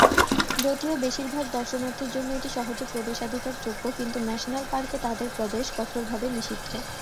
যদিও বেশিরভাগ দর্শনার্থীর জন্য এটি সহজে প্রবেশাধিকার যোগ্য, কিন্তু ন্যাশনাল পার্কে তাদের প্রবেশ কঠোরভাবে নিষিদ্ধ।